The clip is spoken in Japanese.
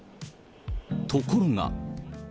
ところが。